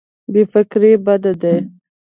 بې فکري بد دی.